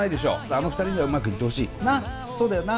あの２人にはうまくいってほしい。な？